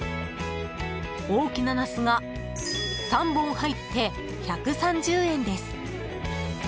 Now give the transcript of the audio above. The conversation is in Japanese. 大きなナスが３本入って１３０円です。